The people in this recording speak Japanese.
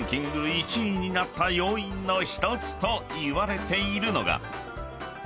１位になった要因の１つといわれているのが］